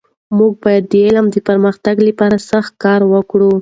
موږ باید د علم د پرمختګ لپاره سخته کار وکړو.